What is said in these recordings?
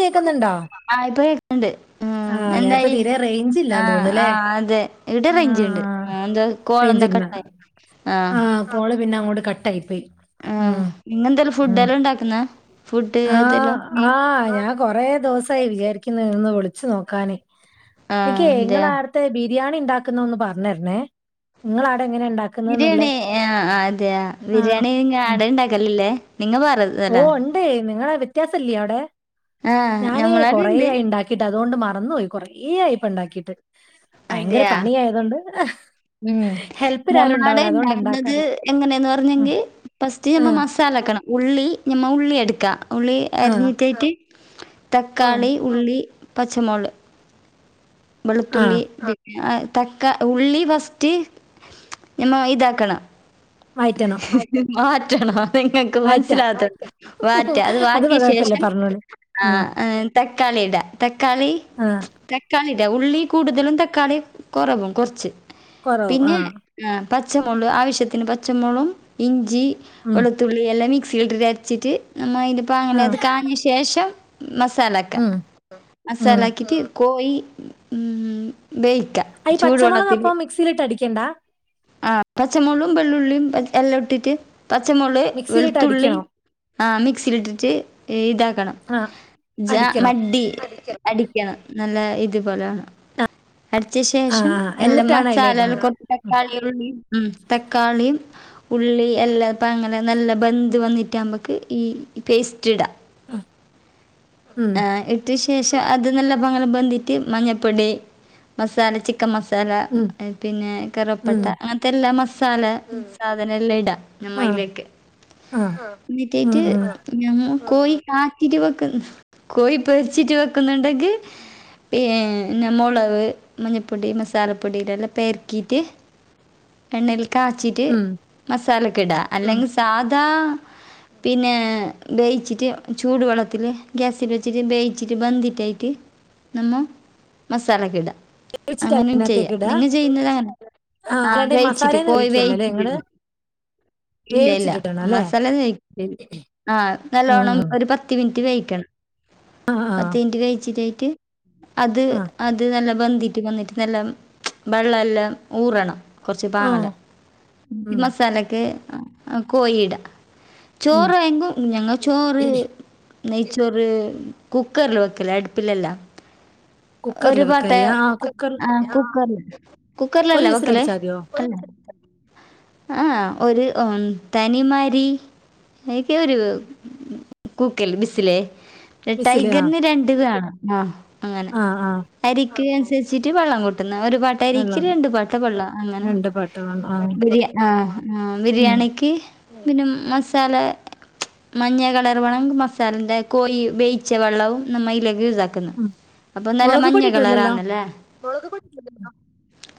കേക്കുന്നുണ്ടോ ആയ്ത് ഉണ്ട് ഉം ആഹ് നേരത്തെ എന്തായി തീരെ റേഞ്ച് ഇല്ലാന്ന് ആഹ് തോന്നുന്നുല്ലേ ആഹ് അതെ ഇവിടേം റേഞ്ചുണ്ട് ആഹ് എന്ത്‌ റേഞ്ച് കോളൊന്ന് ഇല്ല കട്ടായി ആഹ് പിന്നെ അങ്ങോട് കട്ട് ആയി പോയി ആഹ് ഉം നിങ്ങെന്തേലും ഉം ഫുഡ്ല്ലാം ഉണ്ടാക്കുന്നെ ആഹ് ആഹ് ഞാ കൊറെ ദിവസായി വിചാരിക്കുന്ന്ഒന്ന് വിളിച്ചു നോക്കാന് ഇനിക്ക് ആഹ് ങ്ങളാ അതെയാ ത്ത് ബിരിയാണി ഉണ്ടാക്കുന്നൊന്ന് പറഞ്ഞരണെ ഇങ്ങളവിടെ എങ്ങനെണ്ട ബിരിയാണി ആഹ് അതെ ആഹ് ബിരിയാണിങ്ങാട ഇണ്ടാക്കലില്ലേ നിങ്ങ പറത് ഓ ഉണ്ട്നിങ്ങളെ വ്യത്യാസല്ലേ അവിടെ ആഹ് ഞാന് കൊറേ ഞമ്മളാടെണ്ട് ആയി ഉണ്ടാക്കി ക്കിട്ട് അതുകൊണ്ട് മറന്നു പോയി കൊറേ ആയിപ്പണ്ടാക്കിട്ട് ഭയങ്കര അതെയാ പണിയായതുകൊണ്ട് ഉം ഹെൽപ്പിന് ആരും ഞമ്മളാടെ ഉണ്ടാവില്ല അതുകൊണ്ട് ഇണ്ടാക്കുന്നത് ഉണ്ടാക്കാറില്ല എങ്ങനെയന്ന് ഉം പറഞ്ഞെങ്കിൽ ഫസ്റ്റ് ഞമ്മ ആഹ് മസാലാക്കണം ഉള്ളി ഞമ്മ ഉള്ളി എടുക്കാ ഉള്ളി ആഹ് അരിഞ്ഞിട്ടേട്ട് ഓ തക്കാളി ഉള്ളി പച്ചമോൾ ആ വെളുത്തുള്ളി ആഹ് ആഹ് തക്കാ ഉള്ളി ഫസ്റ്റ് ഞമ്മ ഇതാക്കണം വയറ്റണം മാറ്റണം നിങ്ങൾക്ക് മനസ്സിലാത്തോണ്ട് വാറ്റാ അത് വാറ്റിയ കുഴപ്പമില്ല ശേഷം പറഞ്ഞോളൂ ഉം ആഹ് ഏഹ് തക്കാളി ഇടാ തക്കാളി ആ തക്കാളിടാ ഉള്ളി കൂടുതലും തക്കാളി കുറവും കുറച്ച് കുറവ് ആ പിന്നെ ആഹ് പച്ചമോളും ആവിശ്യത്തിന് പച്ചമോളും ഇഞ്ചി ഉം വെളു ത്തുള്ളി എല്ലാം മിക്സിലിട്ടിട്ട് അരച്ചിട്ട് നമ്മ അയിന്റെ ആ പാങ്ങല് അത് കാഞ്ഞ ശേഷം മസാല ക്കാ ഉം ഉം മസാലാക്കീട്ട് കോയി ഉം ബേയ്ക്കാ ഈ പച്ചമുളക് അപ്പം മിക്സിൽ ഇട്ട് അടിക്കണ്ടാ ആഹ് പച്ചമോളും വെള്ളുള്ളിയും എല്ലോം ഇട്ടിട്ട് പച്ചമോള് മിക്സിയിലിട്ട് വെളുത്തുള്ളി അടിക്കണോ ആഹ് മിക്സിയിലിട്ടിട്ട് ഏ ഇതാക്കണം ആ ജ അടിക്കണം മഡി അടിക്കണം നല്ല ഇതുപോലാണം അടിച്ച ആ ശേഷം ആ, എല്ലാ എന്നിട്ടാണ് അതിൽ മസാലാളും ഇടണ്ടേ കുറച്ച് തക്കാളിയും ഉള്ളീം ഉം തക്കാളീം ഉള്ളി എല്ലാപാങ്ങല് നല്ല ബന്ത്‌ വന്നിട്ടാമ്പക്ക് ഈ പേസ്റ്റ് ഇടാ. ആഹ് ഉം ആഹ് ഇട്ട ശേഷം അത് നല്ല ബാങ്ങല്ല ബെന്തിട്ട് മഞ്ഞൾപ്പൊടി മസാല ചി ക്കൻ മസാല ഉം പിന്നെ ഉം കറവപ്പട്ട അങ്ങനത്തെല്ലാ മസ് മസാല സാധന എല്ലാം ഇടാ ആ നയിലേക്ക് ആ ഉം എന്നിട്ടേറ്റ് ഉം ഞമ്മ കോയ് കാട്ടിട്ട് വെക്ക കോയ് പെറിച്ചിട്ട് വെക്കുന്നുണ്ടെങ്കിൽ പിന്നെ മ മുളക് മഞ്ഞൾപ്പൊടി മസാലപ്പൊടയിലെല്ലാം പെർക്കിയിട്ട് എണ്ണയിൽക്ക കാച്ചിട്ട് ഉം മസാലൊക്കെ ഇടുക ഉം. അല്ലെങ്കിൽ സാധാ പിന്നെ വേവിച്ചിട്ട് ചൂട് വെള്ളത്തിൽ ഗ്യാസിൽ വെച്ചിട്ട് വേവിച്ചിട്ട് ബന്ട്ടായിട്ട് നമ്മ മസാല ഗിട വേവിച്ചിട്ട് അങ്ങനെ ചെയ്യ അതിനകത്തേക്ക് ഇടുക നിങ്ങ ചെയ്യുന്നത് അങ്ങനെ ആ അല്ലാണ്ട് ഈ മസാല ട്ട കോയി വേവിക്കല്ലോ അല്ലെ വച്ചിട്ട് നിങ്ങള് ഇടുന്ന് ഇല്ല ഇല്ല വേവിച്ചിട്ടിടണം അല്ലേ മസാല ആഹ് ഉം നല്ലവണം ഉം. പത്ത് മിനിറ്റ് വേഴിക്കണം ആ ആ പത്ത് മിനിറ്റ് വേവിച്ചിറ്റായിട്ട് അത് ആ അത് നല്ല ബന്തിട്ട് വന്നിട്ട് നല്ല വെള്ളം എല്ലാം ഊറണം ആ ങ്ങല ഇ ഉം മസാലക്ക് കോഴട ഉം ചോറ്ങ്ങും ഞങ്ങൾ ചോറ് നെയ്ച്ചോര് കുക്കറിൽ വെക്കല അടുപ്പിലല്ല കുക്കറിൽ ഒരു പാട്ട വെക്കയ്യ ആ കുക്കറിൽ ആ കുക്കറില് ഒരു കുക്കറിലല്ലേ വെക്കല്േ വിസിലടിച്ചാ മതിയോ ആ ഒരു തനിമാരി അതൊക്കെ ഒരു കൂക്കല്ല ബിസിലേ വിസില് ആ ടൈഗറിന് രണ്ട് വേണം ആ അങ്ങനെ ആ ആ അരിക്ക് അനുസരിച്ചിട്ട് വെള്ളം കൂട്ടുന്ന ഒരു പാട്ട അരിരിക്കിൽ വെള്ളം രണ്ടു പാട്ട വെള്ളം അങ്ങനെ രണ്ട് പാട്ട ആ ബിരിയാ ആ ആ ഉം ബിരിയാണിക്ക് പിന്നെ മസാല മഞ്ഞ കളർ വണം മസാലന്റെ കോഴ വേവിച്ച വെള്ളവും നമ്മ ഇലേക്ക് യൂസാക്കും ഉം അപ്പൊ നല്ല മുളക് മഞ്ഞ പൊടി ഇടൂലല്ലോ കളറന്നല്ലേ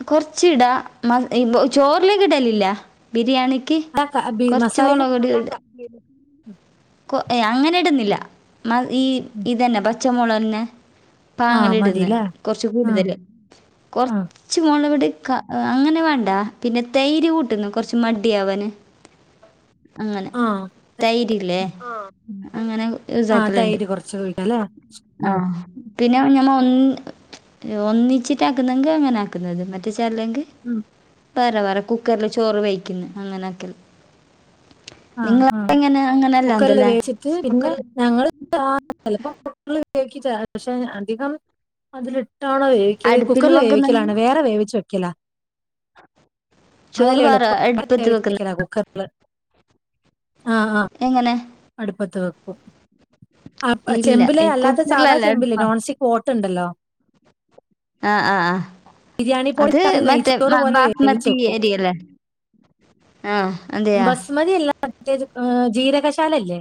കൊറച്ച ഇടാ ചോറിലേക്ക ഇടല്ലല്ല ബിരിയാണിക്ക് ആ ക ബി കൊറച്ച മസാലേല് മോള കടി കൊ അങ്ങനെ ഇടുന്നില്ല മ ഈ ഇതന്നെ പച്ചമുളന്നെ ആ പാങ്ങല ഇടന്ന് മതില്ലേ കൊറച്ച് ആ കൂടുതല് കൊ ആ ചച്ച മോള ഇവിടെ അങ്ങനെ വേണ്ട പിന്നെ തൈര് കൂട്ടുന്നു കുറച്ച് മടിയ ആവാാന് അങ്ങനെ ആ തൈ അങ്ങനെ ആ യൂസാക്കലണ്ട് തൈര് കുറച്ച് ഒഴിക്കാല്ലേ ഉം ആഹ പിന്നെ ഞമ്മൾ ഒ ഒന്നിച്ചിട്ട ആാക്കുന്നതെങ്കിൽ അങ്ങനെ ആക്കുന്നത് മറ്റേ ചരില്ലെങ്കിൽ ഉം വരാ വറ കുക്കറിൽ ചോറ് വഴിക്കുന്നു അങ്ങനെയൊക്കെ ആഹ ആ കുക്കറിൽ അങ്ങനെല്ലാന്തല്ലേ? വേച്ചിട്ട് പിന്നെ ഞങ്ങ ചപ്പോ പക്ഷെ അധികം അതിലിട്ടാണോ വ അടുപ്പിൽ കുക്കറിൽ വെക്കുന്ന വേവിക്കലാണ് വേറെ വേവിച്ച വെക്കല ചോറ് അതല്ല വേറെ അടുപ്പത്ത് വെക്കുന്ന എളുപ്പക്കട കുക്കർ ആഹ് ആഹ് എങ്ങനെ അടുപ്പത്ത് വെക്കും ആ ഇല്ല ചെമ്പില് ഈ അല്ലാത്ത സാധാ കുക്കറിലല്ല ചെമ്പില് അടുപ്പ നോൺ സ്റ്റിക് കോട്ട്ുണ്ടല്ലോ ആഹ ആഹ് ആ ബിരിയാണി അത് പൊടി മറ്റേ നെയ്ച്ചോറ് പോലെ വേവിച്ച് ബാസ്മതി വെക്കും ഏരിയല്ലേ ആഹ അതെയാ മതിയല്ലേ് ജീരകശാല അല്ലേ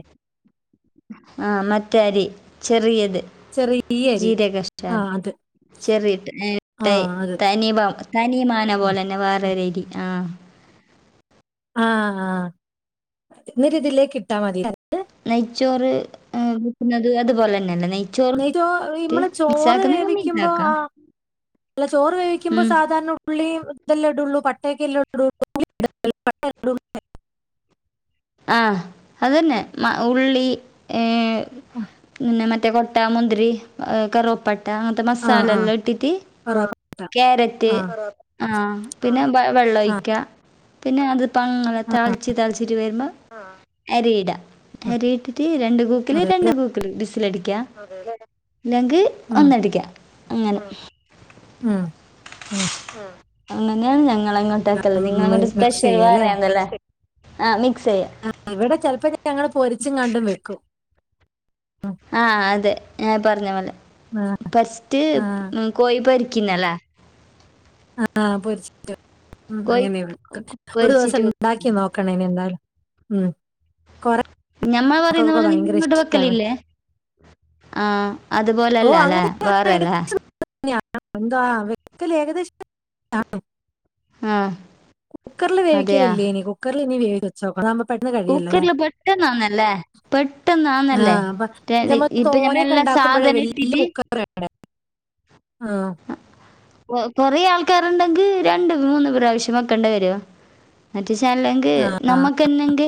ആ മറ്റേരി ചെറിയത് ചെറിയ അരി ആ ജീരകഷാൽ അത് ചെറിയ ആ അത് തനി തനിമാന ഉം, പോലെ തന്നെ വേറെ ഉം. അരി ആഹ ആഹ ആ എന്നരി ഇതിലേക്ക് ക ഇട്ടാ മതി അത് നെയ്ച്ചോറ് വിക്കുന്നത് അതുപോലെ തന്നെയല്ലേ നെയ ോ ഇമ്മളെ ചോറ് മിക്സ് വേവിക്കുമ്പോ ആക്കാം ആ ഇ ചോറ് വേവിക്കുമ്പോ ഉം. സാധാരണ ഉള്ളി ഇതല്ലോടുള്ളൂ പട്ടക്കെല്ലാംോടുള്ള [unintelligible] ആ അത് തന്നെ മം ഉള്ളി പിന്നെ മറ്റേ കൊ പട്ട, മുന്തിരി, കറുവപ്പട്ട, അങ്ങനത്തെ ആ ആ ആ മസാലല്ലാം ഇട്ടിട്ട്. പറ പറ. ക്യാരറ്റ് ആ ആ പിന്നെ ആ വെള്ളൊഴിക്ക. പിന്നെ, അത് അങ്ങനെ ആ, തിളച്ച് തിളിച്ചിട്ട് വരുമ്പോ അരിയിടാ. ആ, അരി ഇട്ടിട്ട് രണ്ട് കൂക്കില് രണ്ട് അതെല്ലേ കൂക്കല് ബിസിൽ അടിക്കാ ഇല്ലെങ്കി ഉം ഒന്നടിക്ക അങ്ങനെ. മം അങ്ങനെയാണ്, ഞങ്ങള ഉം അങ്ങോട്ടൊക്കെള്ളത് നിങ്ങളങ്ങോട്ട് മിക്സ് സ്പെഷ്യൽ ചെയ്യാം അല്ലേ വേറെയാന്നല്ലേ. ആ മിക്സ് ചെയ്യാം. ആ ഇവിടെ ചിലപ്പോ ഞങ്ങൾ പൊരിച്ചും കണ്ടും വെക്കും. ഉം. ആ അതെ ഞാൻ പറഞ്ഞ പോലെ ആഹ് ഫസ്റ്റ് ആഹ് കോഴി പൊരിക്കുന്നല്ലേ. ആഹ് പൊരിച്ചിട്ട്, കോഴി അങ്ങനെയൊന്ന് ഒരു ദിവസം പൊരിച്ചിട്ട് ഒന്ന് വെക്കും. ഉണ്ടാക്കി നോക്കണേ എന്തായാലും. ഉം. കൊറെ ഞമ്മള് പറയുന്ന മക്കക്കൊക്കെ പോലെ നിങ്ങ ഭയങ്കര അങ്ങോട്ട്, ഇഷ്ടാണ്. വെക്കലില്ലേ? ആഹ് അതുപോലല്ലാ അല്ലെ വേറെല്ലേ. എന്തോ ആഹ് വെഹിക്കൽ ഏകദേശം [unintelligible] ആഹ് കുക്കറില് വേവിക്കലില്ലേനി കുക്കറിൽ ഇനി വേവി ചോകാമ്പ പെട്ടെന്ന് കഴിയല്ലോല്ലേ കുക്കറിൽ പെട്ടെന്നാന്നല്ലേ പെട്ടെന്നാന്നല്ലേ ആഹ് അപ്പ ര- ഞമ്മ ഇപ്പൊ ഞമ്മ തോനൊക്കെ എല്ലാ ഉണ്ടാക്കുമ്പോഴേ സാധനം വെലിയ ഇട്ടിട്ട് കുക്കറ് വേണം ആഹ്. കൊറേ ആൾക്കാരുണ്ടെങ്ക് രണ്ട്, മൂന്നു, പ്രാവശ്യം വെക്കേണ്ട വരും. മറ്റുചാലെങ്ക് ആഹ് നമ്മുക്കെന്നെങ്ക്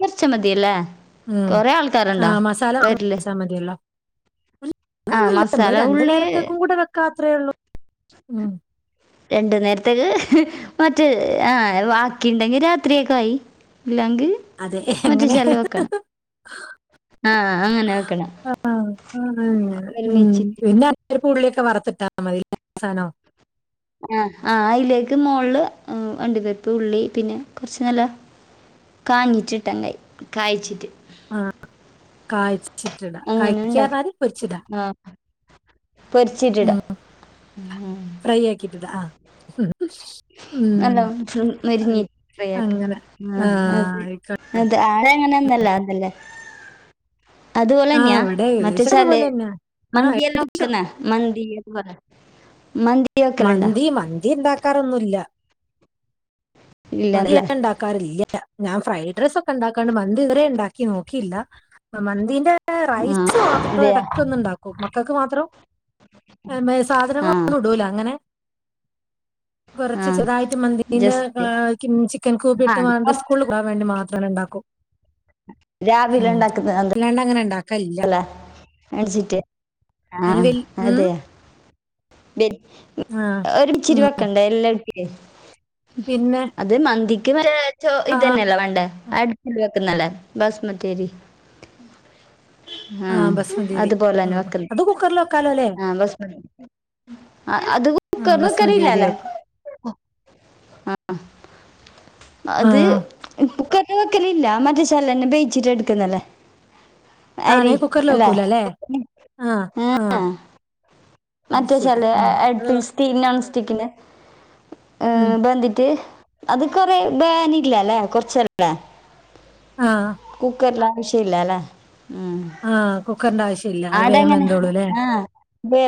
കുറച്ച മതിയല്ലേ? ഉം കുറേ ആൾക്കാരുണ്ടോ ആഹ് മസാല മാറ്റി പേരില് വച്ചാ മതിയല്ലോ. ആ അങ്ങനൊന്നുമില്ല നമ്മള് മസാല രണ്ടു ഉള്ളി നേരത്തേക്കും കൂടെ വെക്ക അത്രേ ഉള്ളൂ. രണ്ടു നേരത്തേക്ക് മറ്റ് ആഹ് ബാക്കിണ്ടെങ്കി രാത്രിയൊക്കു ആയി. ഇല്ലാങ്ക് അതെ അങ്ങനെ. ആ അങ്ങനെ വെക്കണം ആഹ് അതങ്ങനെ ഒരുമിച്ചിട്ട് പിന്നെ. ഒരു ഇപ്പൊ ഉള്ളിയൊക്കെ. വറുത്തിട്ടാ മതി നല്ല സാനാവും. അഹ് ആഹ് അയിലേക്ക് മോളിൽ അണ്ടിപരിപ്പ്, ഉള്ളി, പിന്നെ കുറച്ച് നല്ല കാഞ്ഞിറ്റിട്ടെങ്ക് ആയി കായച്ചിറ്റ്. ആഹ് കായച്ചിട്ടിടാ അങ്ങനെ കായിക്കാ ഉണ്ടാക്കി പറഞ്ഞാല് പൊരിച്ചിടാ. ആഹ്. പൊരിച്ചിട്ടിടാം ഉം ഫ്രൈ ആക്കിട്ടിടാ ആഹ്. ഉം നല്ല ആയി മൊരിഞ്ഞിട്ട് ഫ്രൈ ആക്കണം അങ്ങനെ ആഹ് ആയിക്കോട്ടെ. അത് ആളെ അങ്ങനോന്നല്ലാ എന്നല്ലെ. അത് പോലന്ന്യ ആഹ് ഇവിടെ ഏകദേശം മറ്റേചാല് അതുപോലെ തന്നെയാ ആഹ് മന്തിയെല്ലോം. ക്കന്നെ മന്തി [unintelligible] മന്തി. വെക്കലുണ്ടാ മന്തി, മന്തി ഉണ്ടാക്കാറൊന്നുല്ല. മന്തി ഞാ ഇല്ലല്ലേ ഉണ്ടാ ക്കാറില്ല ഞാൻ ഫ്രൈഡ് റൈസ് ഒക്കെ ഉണ്ടാക്കാണ്ട് മന്തി ഇവതുരെ ഉണ്ടാക്കി നോക്കിയില്ല മന്തി. ആഹ് റൈസ് മാത്രം അതെയാ ഇടക്കൊന്ന് ഉണ്ടാക്കും മക്കക്ക് മാത്രം. മേ സാധനങ്ങൾ ആഹ് ഒന്നും ഇടൂല അങ്ങനെ കൊറച്ച് ആഹ് ചെറുതായിട്ട് മന്തീന്റെ ജസ്റ്റ് ക്കിം ചിക്കൻ കൂബ് ആഹ് അത് ഇട്ടാണ്ട് കൊറച്ച് സ്കൂളിക്ക് കൊണ്ടോവാൻ വേണ്ടി. മാത്രം ആണ് ഉണ്ടാക്കും രാവിലെ ഉം ഇല്ലാണ്ട് അങ്ങനെ ഇണ്ടാക്കലില്ല. മേണിച്ചിട്ട് അതിന് ആഹ് വല് ഉം അതെയ. ആ ഒര് ഉം ഇച്ചിരിവക്കണ്ടേ എല്ലാരിക്ക്. പിന്നെ ത് മന്തിക്ക് ആ ഇത് തന്നെയല്ലേ വേണ്ടേ അടുപ്പില് വെക്കുന്നല്ലേ ബസ്മതി അരി. ഹ ആ ബസ്മതി അരി അതു പോലന്നെ ഉം വെക്കല് അത് കുക്കറിൽ വെക്കാലോ അല്ലേ ആഹ് ബസ്മ ആഹ് അത് ആ കുക്കറിൽ ബസ്മതി വെക്കലില്ല അരി അല്ലെ? വെക്കും ആഹ് ആ അത് ഇപ്പൊ കറി വെക്കലില്ല മറ്റചാലന്നെ ബേയിച്ചിറ്റ് എടുക്കുന്നല്ലേ? അരി ആണേ കുക്കറിൽ അല്ലെ വെക്കൂല അല്ലേ ആ ആ ഏഹ്? അത് ശരി മറ്റേച്ചാല് ഉം അത് അടുപ്പി സ്റ്റീ നോൺസ്റ്റിക്കിന്റെ ഉം. വെന്തിറ്റ് അത് കൊറെ ബേനില്ലല്ലേ കൊറച്ചേരല്ലേ? ആഹ് കുക്കറിൽ ആവശ്യം ഇല്ലാലെ ഉം ആഹ് കുക്കറിന്റെ ആവശ്യം ഇല്ല അത് വേഗം ആടെങ്ങനെ വെന്തോള്ളുല്ലേ ആ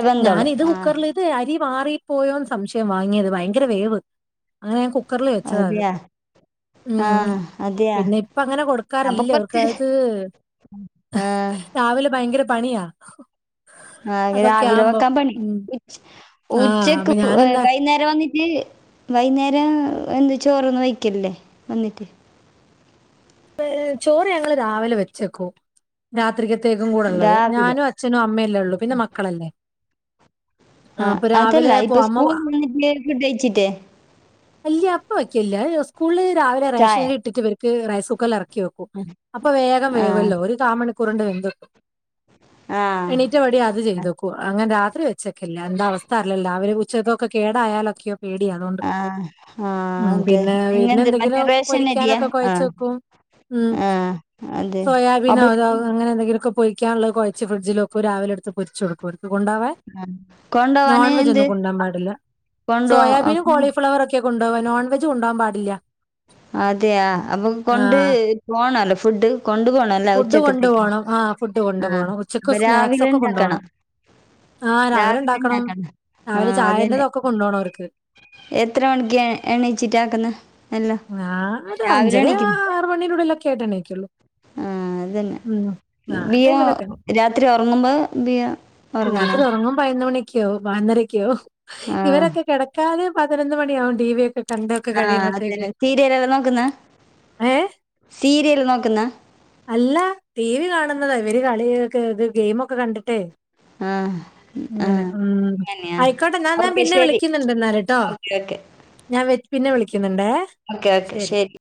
ബന്ധോളൂ ഞാനി ഇത് ആ കുക്കറില് ഇത് അരി മാറിപ്പോയോന്ന് സംശയം വാങ്ങിയത് ഭയങ്കര വേവ്. അങ്ങനെ ഞൻ കുക്കറിൽ വെച്ചതാ അത് അതെയാ ആ ഉം അതെയാ പിന്നെ ഇപ്പ അങ്ങനെ കൊടുക്കാറില്ലേ അവർക്ക അത് ഉം രാവിലെ ഭയങ്കര പണിയാ ആ അതൊക്കെ രാവിലെ ആവുമ്പോ. വെക്കാൻ പണി ഉം. ആഹ് ഉച്ചക്ക് അപ്പൊ ഞാനെന്താ വൈകുന്നേരം നേ വന്നിട്ട് വൈകുന്നേരം എന്ത് ചോറൊന്നും വഴിക്കല്ലേ വന്നിട്ട് ചോറ് ഞങ്ങള് രാവിലെ വെച്ചേക്കോ രാത്രിക്കത്തേക്കും കൂടെ ഉള്ളത് രാവിലെ ഞാനും അച്ഛനും അമ്മയല്ലേ ഉള്ളു പിന്നെ മക്കളല്ലേ ആഹ് ആഹ അപ്പൊ രാവിലെ അതല്ല ഇപ്പൊ അമ്മ സ്കൂൾ വന്നിട്ട് ഫുഡ് കഴിച്ചിട്ടേ അല്ല അപ്പ വക്കല്ല സ്കൂളിൽ രാവിലെ റേഷന ചായ ഇട്ടിട്ട് പേർക്ക് റൈസ് കുക്കറിൽ ഇറക്കി വെക്കും അപ്പൊ വേഗം ആഹ് വേവല്ലോ ഒരു കാൽ മണിക്കൂറിണ്ട് വെന്ത്‌ കട്ടും ആഹ് എണീറ്റപടി അത് ചെയ്തു അങ്ങനെ രാത്രി വെച്ചൊക്കല്ല എന്താ അവസ്ഥ അല്ലോ രാവില ഉച്ചതൊക്കെ കേടായാലൊക്കെയോ പേടിയ അതുകൊണ്ട് ആഹ് ആഹ് ഉ അതെ പിന്നെ പിന്നെ നിങ്ങ എന്തെങ്കിലും മറ്റേ റേഷൻ അരിയാ പൊരിക്കാനൊക്കെ കുഴച്ച ആഹ് വെക്കും ഉം ആഹ് അതെ അപ്പൊ സോയാബീനോതോ അങ്ങനെ എന്തെങ്കിലുമൊക്കെ പൊരിക്കാനുള്ളത് കുഴച്ച് ഫ്രിഡ്ജിലക്കെ രാവിലെ അടുത്ത് പൊരിച്ചു കൊടുക്കു കൊണ്ടോവാന് നോൺവെജ എന്ത് ഒന്നും കൊണ്ടാൻ പാടില്ല കൊണ്ടോ സോയാബീനും കോളി ഫ്ലവറൊക്കെ കൊണ്ടപോവാ നോൺവെജ് കൊണ്ടപോകൻ പാടില്ല അതെയ അപ്പൊ കൊണ്ട് ആഹ് പോണല്ലോ ഫുഡ് കൊണ്ട് പോണല്ലോ ഫുഡ് കൊണ്ടു ഉച്ചക്കത്തേക്ക പോണം ആഹ് ഫുഡ് കൊണ്ടു ആഹ പോണം ഉച്ചക്ക് അപ്പൊ സ്നാക്സ് രാവിലെ ഒക്കെ കൊണ്ടോണം ഉണ്ടാക്കണം ആഹ് രാവിലെ ഉണ്ടാക്കണം ആഹ രാവിലെ അതേനെ ചായന്റെതൊക്കെ കൊണ്ടോണം ഓർക്ക് എത്ര മണിക്ക് എണീച്ചിട്ടാക്കുന്നത് ഞ അഞ്ചര ആറ മണീനുള്ളള്ളിലൊക്കെ ആയിട്ട്ണ്ണക്കുള്ളൂ ആഹ അതന്നെ ബിയ ടൈമിലൊക്കെ രാത്രി ഉറങ്ങുമ്പോ ബിയ ഒറങ്ങുന്നോ രാത്രി ഉറങ്ങും പതിനുന്ന മണി ക്കോ വന്നരക്കോ ആഹ് ഇവരൊക്കെ കിടക്കാതെ പതിനൊന്ന് മണിയകും ടി വി ഒക്കെ കണ്ടൊക്കെ ആഹ കഴിയുമ്പത്തേക്ക് അതന്നെ സീരിയൽ എല്ലാം നോക്കുന്ന ഏഹ് സീരിയൽ നോക്കുന്ന അല്ല ടി വി കാണുന്നതാ ഇവര് കളിക്കെ ഇത് ഗെയിമ ഒക്കെ കണ്ടിട്ടേ ആഹ് അങ്ങനെ ആഹ് ഉ അങ്ങനെയാ. ആയിക്കോട്ടെ ഞാൻ ഞാൻ ഓക്കെ പിന്നെ ശരി. വിളിക്കുന്നുണ്ട് എന്നാലട്ടോ ഓക്കെ ഓക്കെ. ഞാൻ വ പിന്നെ വിളിക്കുന്നുണ്ടേ ഓക്കെ ഓക്കെ ശരി